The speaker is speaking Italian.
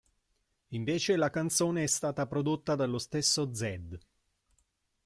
Invece la canzone è stata prodotta dallo stesso Zedd.